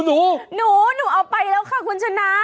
หนูหนูเอาไปแล้วค่ะคุณชนะ